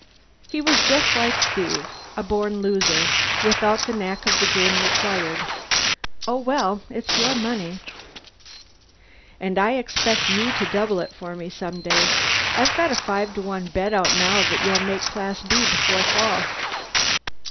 He was just like Steve, a born loser, without the knack the game required. "Oh, well, it's your money." "And I expect you to double it for me some day. I've got a five to one bet out now that you'll make Class B before fall."